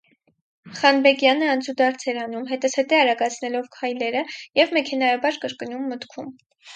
Խանբեգյանը անցուդարձ էր անում, հետզհետե արագացնելով քայլերը, և մեքենայաբար կրկնում մտքում.